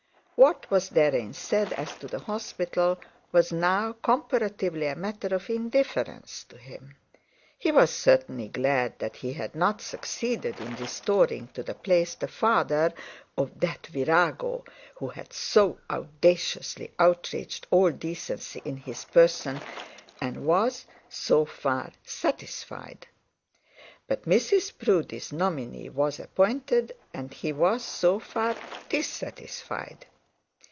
What was therein said as the hospital was now comparatively matter of indifference to him. He was certainly glad that he had not succeeded in restoring to the place the father of that virago who had so audaciously outraged all decency in his person; and was so far satisfied. But Mrs Proudie's nominee was appointed, and he was so far dissatisfied.